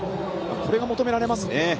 これが求められますね。